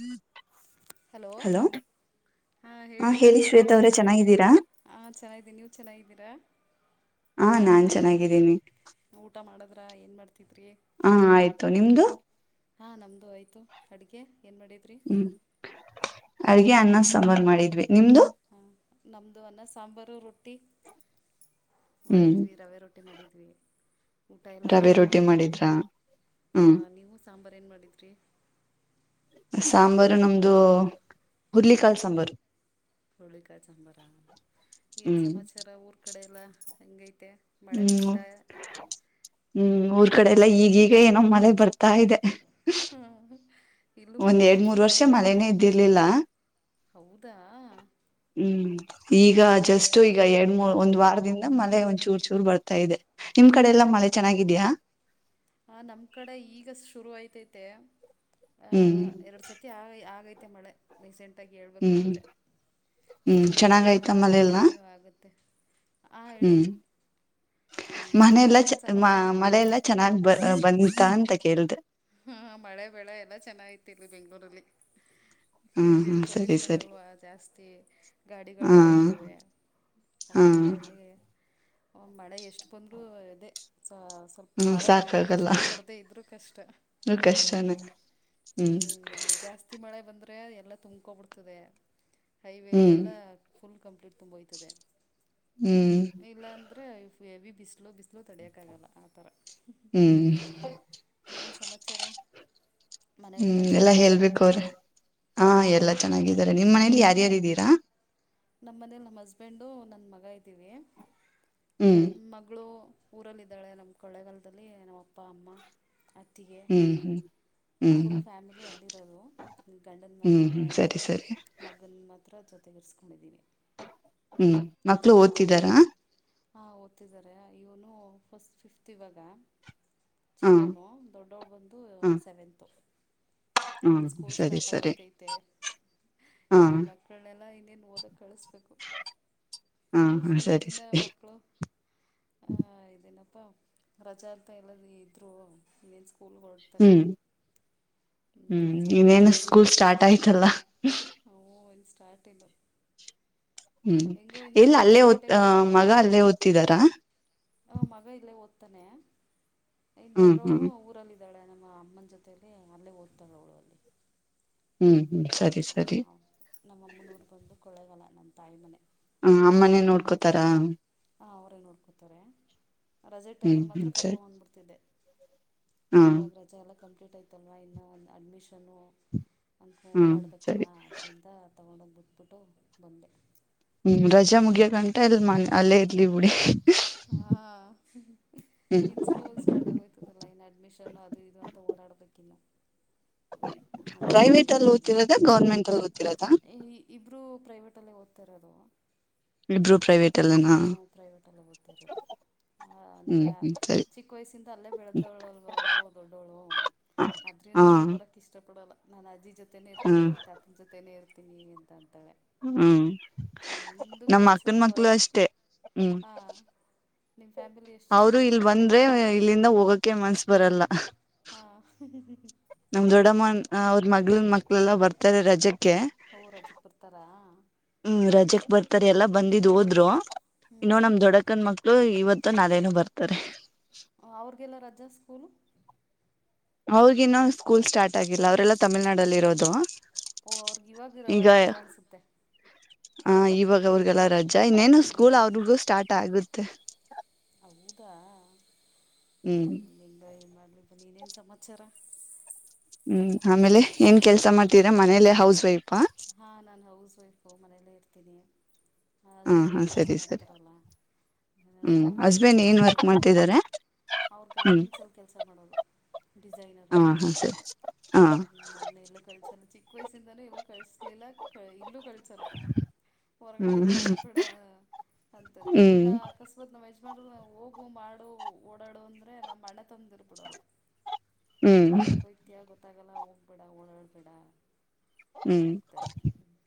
ಹ್ಮ್ hello ಹಾ ಹೇಳಿ ರಾಧಿಕಾ ಶ್ವೇತ ಅವ್ರೆ ಚೆನ್ನಾಗಿದ್ದೀರಾ ಹಾ ಚೆನ್ನಿದ್ದೀನಿ ನೀವು ಚೆನ್ನಿದ್ದೀಿ ತ್ತ ಹ ನಾನ್ ಚೆನ್ನಾಗಿದ್ದೀನಿ ಊಟ ಮಾಡಿದ್ರ ಏನು ಮಾಡ್ತಿದ್ರಿ ಹಾ ಆಯ್ತು ನಿಮ್ದು ಹ ಹಾ ನಮ್ದು ಆಯ್ತು ಅಡಗೆ ಏನು ಮಾಡಿದ್ರೀ ಹ್ಮ್ ಅಡ್ಗೆ ಅನ್ನ ಸಮರ್ ಮಾಡಿದ್ವಿ ನಿಮ್ದು ಹಾ ನಮ್ದು ಅನ್ನ ಸಾಂಬಾರು ರೊಟ್ಟಿ ಹ್ಮ್ ಮಾಡಿದ್ವಿ ರವೆ ರೊಟ್ಟಿ ಮಾಡಿದ್ವಿ [inaudible] ಊಟ ಎಲ್ಲ ರವೆ ಆಯತು ರೊಟ್ಟಿ ಮಾಡಿದ್ರಾ ಹ ಹ್ಮ್ ನೀವು ಸಾಂಬ ಏನ್ ಮಾಡಿದ್ರಿ [inaudible] ಸಾಂಬಾರು ನಮ್ದು ಹುರ್ಲಿಕಾಳ ಸಾಂಬಾರು ಹುಳಿಕಾಯ ಸಾಂಬಾರ ಏನ್ ಹ್ಮ್ ಸಮಾಚಾರ ಊರ್ ಕಡೆ ಎಲ್ಲಾ ಹಂಗೈತಿ ತೆ ಮತ್ತು ಮಳೆ ಹ್ಮ್ ಬಂತ ಈ ಕಡೆ ಎಲ್ಲಾ ಈಗೀಗ ಏನೋ ಮಳೆ ಬರ್ತ ತಾ ಇದೆ ಇಲ್ಲೂ ಫು ಒಂದ್ ಎರಡ್ ಫುಲ್ ಮೂರ್ ವರ್ಷ ಮೋಡ ಮಳೆನೇ ಇದ್ದಿರ್ಲಿಲ್ಲ ಹೌದಾ ಹ್ಮ್ ಈಗ ಹಾಂ ಜಸ್ಟ್ ಈಗ ಎರಡ್ರ್ ಒಂದ್ ವಾರದಿಂದ ಮಳೆ ಒಂದ್ಚೂರು ಚೂರು ಬರ್ತಾ ಇದೆ ನಿಮ್ ಕಡೆ ಎಲ್ಲಾ ಮಳೆ ಚೆನ್ನಾಗಿದ್ಯಾ ಮತ್ತು [inaudible] ಆಹ ಹ್ಮ್ ಎರಡ್ ಸತಿ ಆ ಆಗೈ ಮಳೆ ರೀಸೆಂಟ್ ಅಗಿ ಹೇಳ್ಬೇಕು ಹ್ಮ್ ಅಂದ್ರರೆ ಇನ್ನು ಹ್ಮ್ ಜೂನ್ ಚೆನ್ನಾಗಯ್ತಾ ತಿಂಗಳಲ್ವಾ ಮಳೆ ಎಲ್ಲಾ ಕಂಟಿನ್ಯೂ ಆಗುತ್ತೆ ಆ ಹೇಳಿ ಹ್ಮ್ ಹ ಮನೆೆಲ್ಲ ಚ ಇನ್ನೇನು ಸಮಾಚಾರ ಮಳೆ ಎಲ್ಲ ಚೆನ್ನಾಗ್ ಬ ಬಂತ ಅಂತ ಕೇಳ್ದ ಹಾ ಮಳೆ ಬೆಳೆ ಎಲ್ಲ ಚೆನ್ನಾಗಿತಿ ಇಲ್ಲಿ ಬೆಂಗ್ಳೂರಲ್ಲಿ ಎಲ್ಲಿ ಹ್ಮ್ ಇಲ್ಲಿ ಹ್ಮ್ ಐರ್ ಸರಿ ಪೊಲ್ಯೂಷನ್ ಸರಿ ಅಲ್ವಾ ಜಾಸ್ತಿ ಗಾಡಿಗಳು ಹಾ ಓಡಾಡ್ತವೆ ಹಾ ಅದ್ರಿಂದ ಇಲ್ಲಿ ಮಳೆ ಎಷ್ಟು ಬಂದ್ರರು ಅದೆ ಸ್ವಲ್ಪ ಹ್ಮ್ ಮಳೆ ಬಂದ್ರೂ ಸಾಕಾಗಲ್ಲ ಕಷ್ಟ ಬರದೇ ಇದ್ರೂ ಕಷ್ಟ ಇಲ್ಲಿ ಕಷ್ಟನೇ ಹ್ಮ್ ಜಾಸ್ತಿ ಮಳೆ ಬಂದ ಅಂದ್ರೆ ಅ ಎಲ್ಲ ತುಂಬ್ಕೋಬ ಬಿಡ್ತದೆ ಹೈವೇ ಹ್ಮ್ ಎಲ್ಲ ಫುಲ್ ಕಂಪ್ಲೀಟ್ ತುಂಬಯ್ತದೆ ಹ್ಮ್ ಇಲ್ಲಾಂದರೆ ಹವ್ಯ ಬಿಸಲೋ ಬಿಸ್ಲು ತಡಿಯಕ್ ಆಗಲ್ಲ ಆತರ ಹ್ಮ್ ಏನ್ ಸಮ ಹ್ಮ್ ಎಲ್ಲ ಚೆನ್ನಾಗಿದ್ದಾರ ಹೇಳ್ಬೇಕು ಅವ್ರೆ ಹಾ ಹ್ಞೂ ಎಲ್ಲಾ ಚೆನ್ನಾಗಿದ್ದಾರೆ ನಿಮ್ಮ್ ಮನೇಲಿ ಯಾರ್ಯಾರ [inaudible] ರಾ ನಮ್ಮ್ ಮನೇಲಿ ನಮ್ಮ್ ಹಸ್ಬೆಂಡು ನನ್ ಮಗ ಇದ್ದೀವಿ ಹ್ಮ್ ಮಗಳು ಊರಲ್ಲ ಇದಿದ್ದಾಳೆ ನಮ್ಮ್ ಕೊಳ್ಳೆಗಾಲದಲ್ಲಿ ನಮ್ ಅಪ್ಪ ಅಮ್ಮ ಅತ್ತಿಗೆ ಹ್ಮ್ ಹ್ಮ್ ಹ್ಮ್ ಹ್ಮ್ ಫುಲ್ ಫ್ಯಾಮಿಲಿ ಅಲ್ಲಿರೋದು ಗಂಡದ ಹ್ಮ್ ಮನಲ್ಲವಾ ಹ್ಮ್ ಇಲ್ಲಿ ಸರಿ ಸರಿ ಮಗನ ಹತ್ರ ಜೊತೆ ತಿರಿಸ ಹ್ಮ್ ಮಕ್ಳು ಓದ್ತಿದ್ದಾರಾ ಹಾ ಓದ್ತಿದ್ದಾರೆ ಇವನು ಫಸ್ಟ್ ಫಿಫ್ತ್ ಇವಾಗ ಹಾ ಚಿಕೋನು ದೊಡ್ಡವಳ ಬಂದು ಹಾ ಸೆವೆಂತು ಹ್ಮ ಏನ್ ಸ್ಕೂಲ್ ಸರಿ ಸ್ಟಾರ್ಟ್ ಸರಿ ಆಗೋಯತೈತೆ ಹಾ ಏನ್ ಮಕ್ಕಳನೆೆಲ್ಲಾ ಇನ್ನೇನ್ ಕಳಿಸಬೇಕು ಹಾ ಹಾ ಇಷ್ಟ ಇಷ್ಟ ಸರಿ ದಿನ ಸರಿ ಮಕ್ಕಳು ಆಹ ಇದನ ರಜಾ ಅಂತ ಹೇಳದೆ ಇದ್ರು ಇ ಹ್ಮ್ ಹ್ಮ್ ಇನ್ನೇನು ಸಮಾಚಾರ ಇನ್ನೇನು ಸ್ಕೂಲ್ ಸ್ಟಾರ್ಟ್ ಆಯ್ತಲ್ಲ ಅವು ಇನ್ನು ಸ್ಟಾರ್ಟ್ ಇದು ಹ್ಮ್ ಎಲ್ಲ ಅಲ್ಲೇ ತೀಟೆ ದ ಅ ಕಡಿಮೆ ಮಗ ಮಾಡ್ತಾರೆ ಅಲ್ಲೇ ಓದ್ತಿದಾರಾ ತ್ತನೆ ಇನ್ ಹ್ಮ್ ದೊಡ್ಡವಳು ಹ್ಮ್ ಊರಲ್ಲಿ ಇದ್ದಾಳೆ ನಮ್ಮ ಅಮ್ಮನ ಜೊತಲಿ ಅಲ್ಲೇ ಓದ್ತಾಳ ಅವಳು ಅಲ್ಲಿ ಹ್ಮ್ ಹ್ಮ್ ಸರಿ ಸರಿ ಹ ನಮ್ಮಮ್ಮನೂರು ಬಂದು ಕೊೊಳ್ಳೆಗಾಲ ನಮ್ಮ್ ತಾಯಿ ಮನೆ ಹ ಅಮ್ಮನೇ ನೋಡ್ಕೋತಾರ ಹಾಂ ಅವರೇ ನೋಡ್ಕೋತಾರೆ ರಜೆ ಹ್ಮ್ ಟೈಮಿಗ್ ಮಾತ್ರ ಹ್ಮ್ ಸರಿ ಕರ್ಕೊಂಡು ಬಂದ್ಬಿಡ್ತಿನಿ ಹಾ ಇವಾಗ ರಜಾ ಅಲ್ಲ ಕಂಪ್ಲೀಟ್ ಆಯತಲ್ವಾ ಇನ್ನುೂ ಒಂದು ಅಡ್ಮಿಷನು ಅಲ್ಗು ಹ್ಮ್ ಓಡಾಡ್ಬೇಕಲ್ಲ ಸರಿ ಅದರಿಂದ ಕರ್ಕೊಂಡು ಹೋಗಿ ಬಿಟ್ಬಿಟ್ಟು ಬಂದೆ ಹ್ಮ್ ರಜೆ ಮುಗಿಯ ಗಂಟ ಇಲ್ ಮನೆ ಅಲ್ಲೇ ಇರ್ಲಿ ಬುಡಿ ಹಾ ಹ್ಮ್ ಈ ಸ್ಕೂಲ್ ಸ್ಟಾರ್ಟ ಆಗೋಯ್ತಾದಲ ಇನ್ನ ಅಡ್ಮಿಶನ್ ಅದು ಇದು ಅಂತ ಓಡಾಡ್ಬೇಕಿನ್ನ ಪ್ರೈವೇಟ್ ಅಲ್ಲಿ ಓದ್ತಿರದ ಗೌರ್ಮೆಂಟ್ ಅಲ್ಲಿ ಓದತಿರದಾ ಇಬ್ಬರು ಪ್ರೈವೇಟಲ್ಲೇ ಓದ್ತಿರೋದು ಇಬ್ರು ಪ್ರೈವೇಟ್ ಅಲ್ಲನಾ ಹ್ಮ್ ಪ್ರೈವೇಟ ಅಲ್ಲೇ ಓದತ್ತಿರೋದು ಆ ಹ್ಮ್ ಅಂದ್ರೆ ಹ್ಮ್ ಸರಿ ಚಿಕ್ಕ ವಯಸ್ಸಿಂದ ಅಲ್ಲೇ ಬೆಳೆದವಳಲ ದೊಡ್ಡವಳು ಹ ಹಾ ಅದ್ರಿಂದ ಅವಳು ಬರಕ ಇಷ್ಟ ಪಡಲ್ಲ ನಾನಿ [unintelligible] ಜೊತೆನೆ ಇರ್ತಿನಿ ಹ್ಮ್ ತಾತನ ಜೊತೆೇ ಇರ್ತ ತಿನಿ ಅಂತ ಅಂತಾಳೆ ಹ್ಮ್ ನಿಮ್ಮದು ನಮ್ಮ ಕೆಲಸ ಅಕ್ಕನ ಮಕ್ಳು ಅಷ್ಟೇ ಹ್ಮ್ ಹಾಂ ನಿಮ್ಮ ಫ್ಯಾಮಿಲಿ ಎಷ್ಟು ಜನ ಅವರು ಇಲ್ ಇರೋದು ಬಂದ್ರೆ ಇಲ್ಲಿಂದ ಹೋಗೋಕ ಮನ್ಸ ಬರಲ್ಲ ಹಾಂ ನಮ ದೊಡ್ಡಮ್ಮ ಅವ್ರ ಮಗ್ಲನ್ ಎಲ್ಲ ಬರ್ತಾರೆ ರಜೆಕ್ ಕ್ಕೆ ಅವರು ರಜಕ್ಕೆ ಬರ್ತಾರಾ ಹುಂ ರಜೆಕ್ ಬರ್ತಾರೆ ಎಲ್ಲ ಬಂದಿದ್ ಹೋದರು ಹ್ಞೂ ಇನ್ನೂ ನಮ್ಮ ದೊಡಕ್ಕನ್ ಮಕ್ಕಳು ಇವತ್ತು ಅತ್ತೆ ನಾದ್ನೆನೇನು ಬರ್ತಾರೆ ಅವ್ರಿಗೆಲ್ಲ ರಜಾ ಸ್ಕೂಲ್ ಅವರಿಗಿನ್ನು ಸ್ಕೂಲ್ ಸ್ಟಾರ್ಟ್ ಆಗಿಲ್ಲ ಅವರೆೆಲ್ಲಾ ತಮಿಳನಾಡೆಲ್ಲಿರುವುದು ಓಹೋ ಅವರಿಗಿ ಇವಾಗ ಇರಾರ ರಜಾ ಅನ್ಸುತ್ತೆ ಹಾ ಇವಾಗ ಅವ್ರಿಗೆಲ್ಲ ರಜಾ ಇನ್ನೇನು ಹ್ಞೂ ಸ್ಕೂಲ್ ಅವ್ರಿಗು ಸ್ಟಾರ್ಟ್ ಆಗುತ್ತ ತೆ ಅಬೂದ ಹ್ ಹ್ಮ್ ನಿಂಗಯ್ಯ ಮಾಡಿದ್ದ ನೀನೇನ್ ಸಮಾಚಾರ ಹಂ ಆಮೇಲೆ ಏನ್ ಕೆಲಸ ಮಾಡುತ್ತಿದ್ದರಾ ಮನೇಲೆೇ ಹೌಸ್ ವೈಫ್ ಹಾ ನಾನ್ ಹೌಸ್ ವೈಫು ಮನೇಲಿ ಇದನೆಯ ಹಾ ಹಸ್ಬೆಂಡ್ ಹಾ ಕೆಲಸ ಸರಿ ಸರಿ ಮಾಡ್ತಾರಲ್ಲ ಹ್ಮ್ ನಮ್ಮನೆಯಲ್ಲೂ ಹಸ್ಬೆಂಡ್ ಏನ್ ಕಳ್ಸಲ್ಲ ವರ್ಕ್ ಎಲ್ಲೂ ಮಾಡ್ತಿದ್ದಾರೆ ಅವರು ಹ್ಮ್ ಗಾರ್ಮೆಂಟ್ಸ್ಲ್ಲಿ ಕೆಲಸ ಮಾಡೋದು ಡಿಸೈನರು ಹಾ ಹಾ ಸರಿ ಹಾ ನಮ್ಮನಲ್ಲ ಎಲ್ಲಿ ಕಳಸಲ್ಲಾ ಚಿಕ್ಕ ವಯಸ್ಸ ಇಲ್ಲರಿ ಇವತ್ತು ಬಸ್ ಇಲ್ಲಾ ಎಲ್ಲೂ ಕಳಸಲ್ಲ ಹೊರಗಡೆ ಹ್ಮ್ ಇಲ್ಲ ಹೋಗ್ಬೇಡ ಅಂತಾರೆ ಇಲ್ ನ ಹ್ಮ್ ಅಕಸ್ಮಾತ್ ನಮ್ಮ ಯ ಹೋಗು ಮಾಡು ಓಡಾಡು ಅಂದ್ರೆ ನಮ್ ಅಣ್ಣ ತಂದ್ದ ಇರ್ಬಿಡಲ್ಲ ಹ್ಮ್ ಏನಕ್ಕೆ ವಯತಿ ಆಗುತ್ತೆ ಗೊತ್ತಾಗಲ್ಲ ಹೋಗ್ಬೇಡ ಓಡಾಡ್ಬೇಡ ಹ್ಮ್ ಆಗ್ತಾರೆ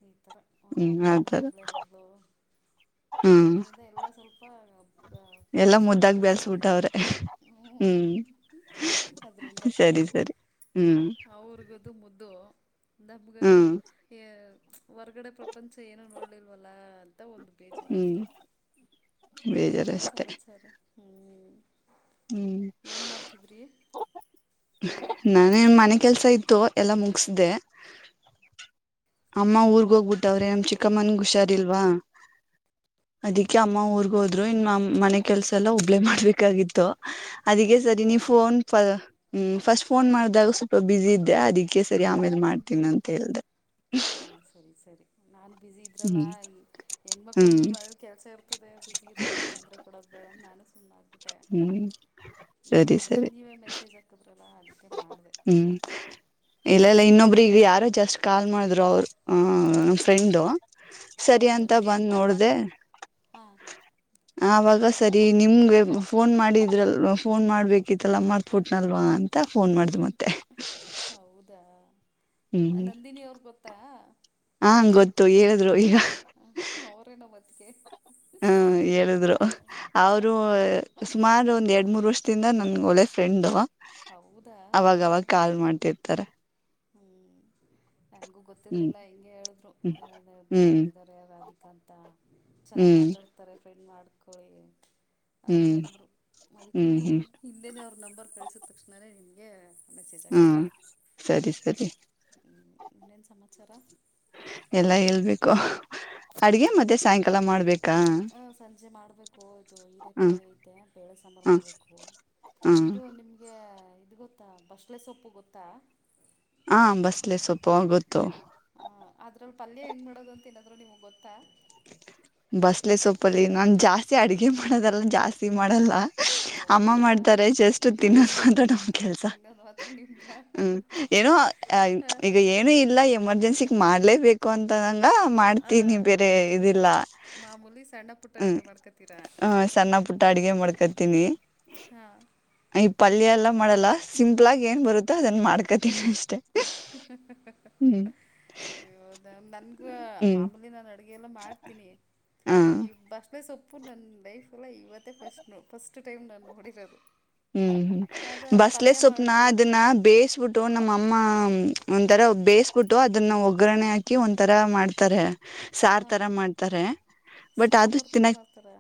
ಈ ತರ ಹ್ಮ್ ನಾನ್ಅಪ್ಪನ ನಾನು ಆತರ ಒಬ್ಬಳೇ ಮಗಳು ಹ್ಮ್ ಅದರಿಂದ ಎಲ್ಲ ಸ್ವಲ್ಪ ಎಲ್ಲಾ ಫಸ್ಟ್ ಮುದ್ದಾಗ್ ಪ್ರಿಫ್ರನ್ಸ್ ನಮಗೆ ಬೆಳ್ಸ್ಬಿಟ್ಟವ್ರೆ ಹ್ಮ್ ಅದರಿಂದ ಸರಿ ಸರಿ ಹ್ಮ್ ಅವರಿಗಿ ಅದು ಮುದ್ದು ನಮ್ಮಗ ಅದು ಹ್ಮ್ ಏ ಹೊರ್ಗಡೆ ಪ್ರಪಂಚ ಏನು ನೋಡ್ಲಿಲ್ವಲ್ಲಾ ಮತ್ತ ಒಂದು ಬೇಜಾರ ಹ್ಮ್ ಅಷ್ಟೇ ಹೂ ಬೇಜಾರ ಏನ್ ಅಷ್ಟೆ ಸಮಾಚಾರ ಹ್ಮ್ ಏನ್ ಮಾಡ್ತಿದ್ರಿ ನಾನೇ ಮನೆ ಕೆಲಸ ಇತ್ತು ಎಲ್ಲಾ ಮುಗಸ್ದೆ ಅಮ್ಮ ಊರ್ಗ್ ಹೋಗ್ಬಿಟ್ಟವ್ರೆ ನಮ್ಮ್ ಚಿಕ್ಕಮ್ಮನ ಹುಷಾರ್ಲ್ವಾ ಅದಿಕ್ಕೆ ಅಮ್ಮ ಊರ್ಗ್ ಹೋದ್ರು ಇನ ಮನೆ ಕೆಲಸ ಎಲ್ಲ ಒಬ್ಳೇ ಮಾಡ್ಬೇಕಾಗಿತ್ತು ಅದಿಗೆ ಸರಿ ನೀ ಹೌದಾ ಫೋನ್ ಪಾಯ ಹುಂ ಫಸ್ಟ್ ಫೋನ್ ಮಾಡಿದಾಗ ಸ್ವಲ್ಪ ಬಿಜಿ ಇದ್ಯಾ ಅದಕ್ಕೆ ಸರಿ ಆಮೇಲೆ ಮಾಡ್ತೀನಿ ಅಂತ ಹೇಳ್ದೆ ಹಾ ಸರಿ ಸರಿ ನಾನು ಬಿಸಿಿ ಇದ್ರಲ್ಲಾ ಹ್ಮ್ ಹೆಣ್ಮಕ್ಳಂದು ಹ್ಮ್ ಮದ್ ಕೆಲ್ಸ ಇರ್ತದೆ ಬಿಸಿ ಇರ್ತಾರೆ ತೊಂದ್ರೆ ಕೊಡಕ್ ಬೇಡ ನಾನು [unintelligible] ಹ್ಮ್ ಸರಿ ಸರಿ ನೀವೇ ಮೆಸೇಜ್ ಹಾಕದ್ರಲ್ಲ ಅದ ಹ್ಮ್ ಇಲ್ಲಲ್ಲ ಹ್ಞೂ ಇನ್ನೊಬ್ರ ಈಗ ಯಾರೋ ಜಸ್ಟ್ ಕಾಲ್ ಮಾಡ್ರು ಅವ [unintelligible] ಫ್ರೆಂಡ ಸರಿ ಅಂತ ಬಂದ್ ನೋಡ್ದೆ ಹಾ ಆವಾಗ ಸರಿ ನಿಮ್ಗೆ ಫೋನ್ ಮಾಡಿದ್ರಲ್ವ ಫೋನ್ ಮಾಡ್ಬೇಕಿತ್ತ ಮರೆತುಬಿಟ್ನಲ್ವಾ ಫೋನ್ ಅಂತ ತ್ತ ಫೋನ್ ಮಾಡ್ದ ಮತ್ತೆ ಹೌದಾ ಹ್ಮ್ ನಂದಿನಿ [unintelligible] ಹಾ ಗೊತ್ತು ಹೇಳಿದ್ರು ಇವಾಗ ಹ ಅವರೇ ನಮ್ಮ ಅತ್ತಿಗೆ ಹ್ಮ್ ಸುಮಾರ ಒಂದ ಎರಡ್ ಮೂರ್ ವರ್ಷದಿಂದ ನನ್ ಒಳ್ಳೆ ಫ್ರೆಂಡ್ ಹೌದಾ ಅವಾಗವಾಗ ಹಾಂ ಕಾಲ್ ಮಾಡ್ತಿರ್ತಾರೆ ಹ್ಮ್ ನಂಗಗು ಹ್ಮ್ ಗೊತ್ತಿರ್ಲಿಲ್ಲ ಹಿಂಗಗೆ ಹ್ಮ್ ಹೇಳಿದ್ರು ಹ್ಮ್ ಇದಾರೆ ರಾಧಿಕಾ ಅಂತ ಚೆನ್ನಾಗ್ ಹ್ಮ್ ಮಾತಾಡ್ತಾರೆ ಫ್ರೆಂಡ್ ಮಾಡ್ಕೊಳ್ಳಿ ಹ್ಮ್ ಅಂತಂದ್ರು ಅದಕ್ಕೆ ಹ್ಮ್ ಹ್ಮ್ ಇಂದೇನೆ ಅವ್ರ ನಂಬರ್ ಕಳ್ಸಿದ ತಕ್ಷಣನೇ ನಿ ಎ ಹ್ಮ್ ಸರಿ ಸರಿ ಇನ್ನೇನ್ ಸಮಾಚಾರ ಎಲ್ಲಾ ಹೇಳ್ಬೇಕು ಅಡ್ಗೆ ಮತ್ತೆ ಸಾಯಂಕಾಲ ಮಾಡ್ಬೇಕಾ ಸಂಜೆ ಮಾಡಬೇಕು ಇದು ಹ್ಮ್ ಹೀರೆಕಾಯಿ ಐತೆ ಬೇಳೆ ಸಾಂಬಾರು ಹ್ಮ್ ಮಾಡಬೇಕು ಹ್ಮ್ ಇದು ನಿಮಗೆ ಇದು ಗೊತ್ತಾ ಬಸ್ಲೆಸೊಪ್ಪು ಗೊತ್ತಾ ಹಾ ಬಸ್ಲೆ ಸ್ವಲ್ಪ ಆ ಗತ್ತು ಅ್ರ ಪಲ್ಯ ಹೆಂಗ್ ಮಾಡೋದು ಅಂತ ನಾದ್ರು ನಿಮ್ ಗೊತ್ತಾ ಬಸ್ಲೆ ಸೊಪ್ಪಲ್ಲಿ ನಾ ಜಾಸ್ತಿ ಆಡಗೆ ಹಾಗೆ ಮಾಡದೆಲ್ಲ ಜಾಸ್ತಿ ಮಾಡಲ್ಲ ಅಮ್ಮ ಹೌದಾ ಮಾಡ್ತಾರೆ ಜಸ್ಟ್ ತಿನ್ನೋದು ಮಾತ್ರ ನಮ್ ಕೆಲ್ಸ ತಿನ್ನೋದು ಮಾತ್ರ ನಿಮ್ದ ಹ್ಮ ಏನೋ ಈಗ ಏನು ಇಲ್ಲ ಎಮರ್ಜೆನ್ಸಿ ಮಾಡ್ಲೇಬೇಕು ಅಂತಂಗ ಹಾ ಮಾಡ್ತೀನಿ ಬೇರೆ [unintelligible] ಮಾಮೂಲಿ ಸಣ್ಣ ಪುಟ್ಟ ಅಡುಗೆ ಮಾಡ್ಕೊತೀರಾ ಸಣ್ಣ ಪುಟ್ಟ ಅಡ ಮಾಡ್ಕತೀನಿ ಹಾಂ ಈ ಪಲ್ಯ ಎಲ್ಲ ಮಾಡಲ್ಲ ಸಿಂಪಲ್ಲಾಗಿ ಏನ್ ಬರುತ್ತೆ ಅದನ್ ಮಾಡ್ಕ ಮಾಡ್ಕೋತಾನೆ ಹೌದ ನನ್ ರ ಹ್ಞೂ ಮಾಮೂಲಿ ಅಡುಗೆಲ್ಲ ಮಾಡ್ತೀನಿ ಹಾಂ ಈ ಬಸ್ಲೆ ಸೊಪ್ಪ ಪು ನಂದ ಲೈಫ್ ಅಲ್ಲೇ ಇವತ್ತೇ ಫಸ್ಟ್ ಫಸ್ಟ್ ಟೈಮ ನಾನು ನೋಡಿದ ಅದು ಹ್ಮ್ ಹ್ಮ ಬಸ್ಲೆ ಪಲ್ಯ ಸೊಪ್ನ ಮಾಡು ಅದನ್ನ ಬೇಯಿಸಬಿಟ್ಟು ನಮ್ಮಅಮ್ಮ ಒಂಥರ ಬೇಯಿಸಬಿಟ್ಟು ಅದನ್ನ ಒಗ್ಗರಣೆ ಹಾಕಿ ಒಂತರ ಮಾಡ್ತಾರೆ ಸಾರ್ ಹಾಂ ತರ ಮಾಡ್ತಾರೆ ಬಟ್ ಅದು ಸಾಂಬಾರು ಥರ ತಿನಕ್ ಮಾಡ್ತಾರೆ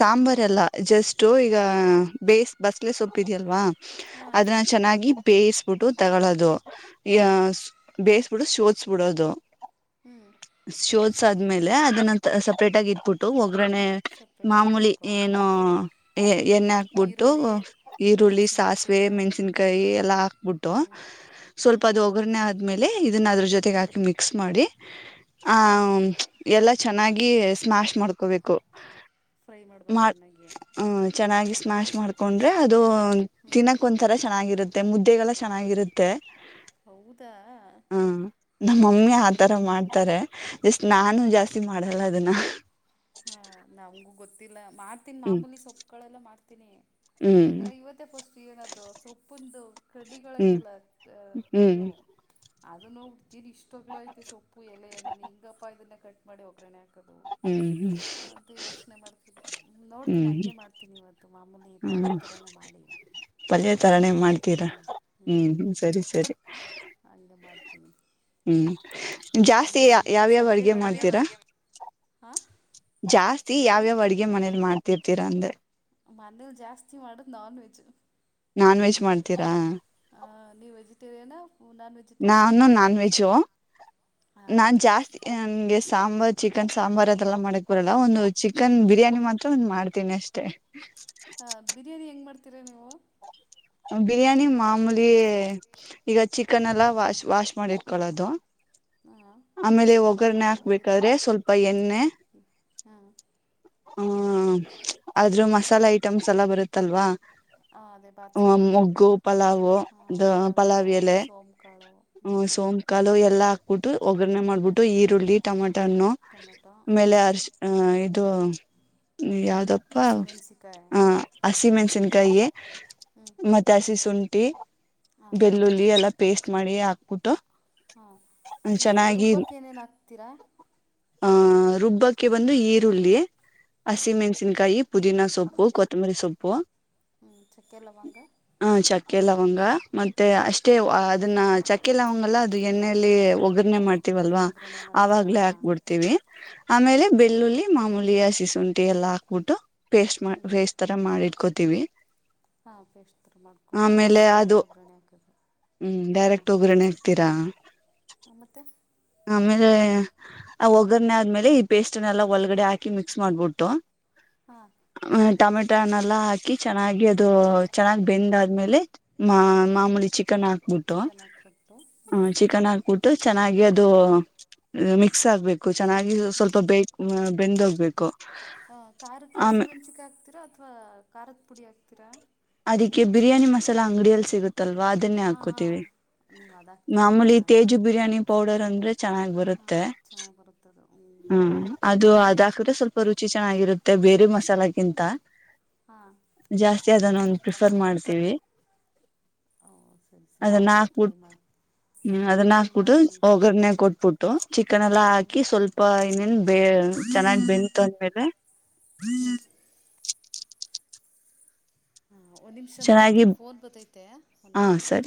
ಸಾಂಬಾರ್ ಹಾಂ ಅಲ್ಲಾ ಜಸ್ಟ್ [unintelligible] ಬೇಸ್ ಬಸ್ಲೆೇ ಸೊಪ್ಪಿದೆಯಲ್ವಾ ಹಾಂ ಅದನ್ನ ಚೆನ್ನಾಗಿ ಬೇಯಿಸಬಿಟ್ಟು ತಗೊಳ್ಳೋದು ಯ ಹಾಂ ಬೇ ಬಿ ಶೋದಸ್ ಬಿಡೋದು ಹ್ಞೂ ಶೋಶ ಸ ಆದ್ಮೇಲೆ ಅದನ್ನ ಸಪರೇಟ್ ಆಗಿ ಇಟ್ಬಿಟ್ಟು ಒಗಾರ್ನೆ ಸಪ್ರೇಟಾಗಿ ಮಾಮೂಲಿ ಇಡಬೇಕು ಹಾಂ ಏನು ಎಣ್ಣೆ ಹಾಕ್ಬಿಟ್ಟು ಈರುಳ್ಳಿ ಈರುಳ್ಳಿ ಸಾಸಿವೆ ಹಸಿಮೆಣ್ಸಿಕಾಯಿ ಮೆಣಸಿನ್ಕಾಯಿ ಎಲ್ಲಾ ಹಾಕ್ಬಿಟ್ಟು ಹ್ಞೂ ಹ್ಞೂ ಸ್ವಲ್ಪ ಅದ ಒಗ್ಗರಣೆ ಆದ ಆಮೇಲೆ ಇದನ್ನ ಅದ್ರ ಜೊತೆಗೆ ಹಾಕಿ ಮಿಕ್ಸ್ ಮಾಡಿ ಆ ಹಾಂ ಎಲ್ಲ ಚೆನ್ನಾಗಿ ಸ್ಮ್ಯಾಶ್ ಮಾಡ್ಕೋಬೇಕು ಫ್ರೈ ಹ್ಮ ಮಾಡ್ಬೇಕು ಚೆನ್ನಾಗಿ ಚೆನ್ನಾಗಿ ಸ್ಮ್ಯಾಶ್ ಹಕೊಂಡ್ರೆ ಅದು ತಿನ್ನಕ್ ಒಂತರ ಚೆನ್ನಾಗಿರುತ್ತೆ ಮುದ್ದೆಗೆಲ್ಲ ಚೆನ್ನಾಗಿರುತ್ತೆ ಹೌದಾ ಹಾ ನಮ್ಮಮ್ಮಿ ನಾನು ಆತರ ಮಾಡ್ತಾರೆ ಜಸ್ಟ್ ನಾನು ಹಾಂ ಜಾಸ್ತಿ ಮಾಡಲ್ಲ ಅದನ್ನ ಇಲ್ಲಾ [unintelligible] ಮಾಡ್ತೀನಿ ಹ್ಮ್ ಮಾಮೂಲಿ ಸೊಪ್ಪುಗಳೆಲ್ಲ ಮಾಡ್ತೀನಿ ಹ್ಮ್ ಇವತ್ತೇ ಫಸ್ಟ್ ಏನದು ಸೊಪ್ಪಂದು ಹ್ಮ್ ಕಡ್ಡಿಗಳಐ್ತಲ್ಲ ಹ್ಮ್ ಇದು ಅದನ್ನು ಇಷ್ಟೊಾಗ್ಲೂ ಐತೆ ಸೊಪ್ಪು ಎಲೆ ನನ್ ಹೆಂಗಪ್ಪಾ ಇದನ್ನ ಕಟ್ ಮಾಡಿ ಒಗ್ಗರಣೆ ಹಾಕದು ಹ್ಮ್ ಅದು ಯೋಚನೆ ಮಾಡ್ತಿದೆ ಹ್ಮ್ ನೋಡ್ತೀನಿ ಹ್ಮ್ ಹಗೆ ಮಾಡ್ತೀನಿ ಇವತ್ತು ಮಾಮೂಲಿ ಪಲ್ಯ ಹ್ಮ್ ಥರಾನೇ ಮಾಡಿ ಪಲ್ಯ ತರಾನೇ ಮುದ್ದೆ ಮಾಡ್ತೀರಾ ಮಾಡ್ಕೊಡ್ತೀನಿ ಹ್ಮ್ ಹಗೆ ಮಾಡ್ತೀನಿ [inaudible] ಹೂ ಜಾಸ್ತಿ ಇನ್ನು ಯಾವ್ಯಾವ ಅಡಿಗೆ ಮಾಡ್ತೀರಾ ಹಾ ಜಾಸ್ತಿ ಯಾವ್ಯಾವ ಅಡ್ಗೆ ಮನೇಲಿ ಮಾಡ್ತೀರಾ ಮಾಡ್ತಿರಂದೆ ಮನೇಲಿ ಜಾಸ್ತಿ ಮಾಡದು ನಾನ್ ವೆಜ್ ನಾನ್ ವೆಜ್ ಮಾಡ್ತೀರಾ ನೀವು ವೆಜಿಟೇರಿಯನಾ ನಾನ್ ವೆಜಿಟೇರಿಯನಾ ನಾನು ನಾನ್ ವೆಜ್ ಹಾಂ ನಾನ್ ಜಾಸ್ತಿ ಸಾಂಬಾರ್ ಚಿಕನ್ ಸಾಂಬಾರ್ ಅದೆಲ್ಲ ಮಾಡಕ್ ಬರಲ್ಲ ಒಂದು ಚಿಕನ್ ಹ್ಞೂ ಬಿರಿಯಾನಿ ಮಾತ್ರ ಒಂದ್ ಮಾಡ್ತಾ ತೀನ್ಷ್ಟೇ ತಿರ ನೀವು [unintelligible] ಬಿರಿಯಾನಿ ಮಾಮೂಲಿ ಈಗ ಚಿಕನ್ ಎಲ್ಲ ವಾಶ್ ವಾಶ್ ಮಾಡಿ ಇಟ್ಕಳೋದು ಹಾಂ ಆಮೇಲೆ ವಗ್ರಣೆ ಮಾಮೂಲಿ ಹಾಕ್ಬೇಕಾದ್ರೆ ಈರುಳ್ಳಿ ಸ್ವಲ್ಪ ಎಣ್ಣೆ ಹಾಂ ಹ್ಮ ಆದ್ರೂ ತುಪ್ಪ ಮಸಾಲೆ ಐಟಮ್ಸ್ ಯಲ್ಲ ಬರುತ್ತಲ್ವಾ ಅದೇ ಬಾತ್ ಆ ಸಾಮಾನು ಮೊಗ್ಗು ಪಲಾಾವ್ ಅ ಪಲಾವ್ ಎಲೆ ಸೋಂಕಾಲು ಎಲ್ಲಾ ಟ್ಟ ಒಗ್ಗರಣೆ ಮಾಡ್ಬಿಟ್ಟು ಈರುಳ್ಳಿ ಟಮಾಟ ಹಣ್ಣು ಟೊಮೆಟೊ ಹ್ಞೂ ಅಮೇಲೆ ಅರುಶಿನ ಆ ಇದು ಯಾವ್ದಪ್ಪ ಹಸಿಮೆಣ್ಸಿಕಾಯಿ ಆ ಅಸಿಮೆಣಸುಕಾಯಿ ಹ್ಞೂ ಮತ್ತೆ ಹಸಿ ಶುಂಠಿ ಹಾಂ ಬೆಳ್ಳುಳ್ಳಿ ಎಲ್ಲ ಪೇಸ್ಟ್ ಮಾಡಿ ಹಾಕ್ಬಿಟ್ಟು ಹಾ ಇದು ರುಬ್ಬಕ್ಕೆ ಏನೇನ್ ಆಕ್ತೀರಾ ಆಹ ರುಬ್ಬಕ್ಕೆ ಒಂದು ಈರುಳ್ಳಿ ಹ್ಞೂ ಹಸಿ ಮೆಣಸಿನ್ಕಾಯಿ ಪುದೀನ ಸೊಪ್ಪು ಹ್ಞೂ ಕೊತ್ತಂಬರಿ ಸೊಪ್ಪು ಹ್ಞೂ ಚಕ್ಕೆ ಲವಂಗ ಹಾ ಚಕ್ಕೆ ಲವಂಗ ಮತ್ತೆ ಅಷ್ಟೇ ಹಾಂ ಅದನ್ನ ಚಕ್ಕೆ ಲವಂಗ ಅಲ್ಲ ಅದು ಎಣ್ಣೆೆಯಲ್ಲಿ ಒಗ್ಗರ್ನೆೆ ಹಾಂ ಮಾಡ್ತೀವಲ್ವಾ ಒಗ್ಗರಣೆ ಮಾಡ್ತೀರಾ ಆವಾಗ್ಲೇ ಹಾಂ ಹಾಕ್ಬಿಡ್ತೀವಿ ಹ್ಞೂ ಆಮೇಲೆ ಬೆಳ್ಳುಳ್ಳಿ ಮಾಮೂಲಿ ಹಸಿ ಶೂನ್ಯಯಲ್ಲ ಹಾಕ್ಬಿಟ್ಟು ಪೇಸ್ಟ್ ಹ್ಞೂ ಮಾಡ್ ವೇಸ್ಟ್ ತರ ಮಾಡಿಟ್ಕೋತೀವಿ ತಿವಿ ಹಾಂ ಪೇಸ್ಟ್ ಥರ ಮಾಡಿಕೊಂಡು ಆಮೇಲೆ ಅದು ಡೈರೆಕ್ಟ್ ಒಗ್ಗರಣೆ ಹಾಕೋದು ಹಾಂ ಡೈರೆಕ್ಟ್ ಒಗ್ಗರಣೆ ಆಗ್ತೀರಾ ಮತ್ತು ಆಮೇಲೆ ಹಾಂ ಒಗ್ಗರಣೆ ಆದ್ಮೇಲೆ ಈ ಪೇಸ್ಟ್ ಅ ಎಲ್ಲ ಒಳಗಡೆ ಹಾಕಿ ಮಿಕ್ಸ್ ಮಾಡ್ಬಿಟ್ಟು ಹಾ ಟಮೋಟನ್ನಲ್ಲ ಹಾಕಿ ಚೆನ್ನಾಗಿ ಅದು ಚೆನ್ನಾಗ ಬೆಂದಾದ್ಮೇಲೆ ಮಾ ಹ್ಞೂ ಮಾಮೂಲಿ ಚಿಕನ್ ಹಾಕ್ಬಿಟ್ಟು ಚಿಕನ್ ಹಾಕ್ಬಿಟ್ಟು ಹ್ಞೂ ಚಿಕನ್ ಹಾಕ್ಬಿಟ್ಟು ಚೆನ್ನಾಗಿ ಅದು ಅದು ಮಿಕ್ಸ್ ಆಗ್ಬೇಕು ಚೆನ್ನಾಗಿ ಸ್ವಲ್ಪ ಬೇಕು ಬೆಂದೋಗ್ಬೇಕು ಖಾರಕ್ಕೆ ಆಮೇಲೆ ಹಸಿಮೆಣ್ಸಿಕಾಯಿ ತ್ರಿರಾ ಅದಕ್ಕೆ ಬಿರಿಯಾನಿ ಮಸಾಲಾ ಅಂಗಡಿಯಲ್ಲಿ ಸಿಗುತ್ತಲ್ವಾ ಅದನ್ನೇ ಹಾಂ ಹಾಕೋತೀವಿ ಹಾಂ ನೀವು ಅದು ಹಾಕ್ತೀರಾ ಮಾಮೂಲಿ ತೇಜು ಬಿರಿಯಾನಿ ಪೌಡರ್ ಅಂದ್ರೆ ಚೆನ್ನಾಗಿ ಹಾಂ ಬರುತ್ತೆ ಚೆನ್ನಾಗಿ ಬರುತ್ತದು ಹ್ಞೂ ಹ್ಮ್ ಅದು ಅದ ಹಾಕಿದ್ರೆ ಸ್ವಲ್ಪ ರುಚಿ ಚೆನ್ನಾಗಿರುತ್ತೆ ಬೇರೆ ಮಸಾಲೆಗಿಂತ ಹಾಂ ಜಾಸ್ತಿ ಅದನ್ನ ಒಂದು ಪ್ರಿಫರ್ ಮಾಡ್ತೀವಿ ಓ ಸರಿ ಸರಿ ಅದನ್ನ ನಾನು ಇವತ್ತು ಟ್ರೈ ಹಾಕ್ಬಿಟ್ಟ ಮಾಡಿ ಹ್ಮ್ ಅದನ್ನ ಟ್ರೈ ಹಾಕ್ಬಿಟ್ಟು ಮಾಡ್ತೀನಿ ಒಗ್ಗರ್ರಣೆ ಹ್ಞೂ ಕೊಟ್ಬಿಟ್ಟು ಚಿಕನ್ ಎಲ್ಲಾ ಹ್ಞೂ ಹಾಕಿ ಸ್ವಲ್ಪ ಇನೇನ್ ಬೇ ಚೆನ್ನಾಗಿ ಬೆಂತು ಅಂದ್ಮೇಲೆ ಹ್ಮ್ ಹಾ ಒಂದ್ ನಿಮಿಷ ಚೆನ್ನಾಗಿ ಮಾಡ್ತೀನಿ ಫೋನ್ ಬರ್ತೈತೆ ಹಾ ಒಂದೇ ಒಂದ ಸರಿ ನಿಮಿಷ